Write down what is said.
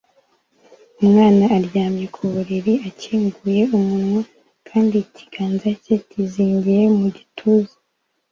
Umwana aryamye ku buriri akinguye umunwa kandi ikiganza cye kizingiye mu gituza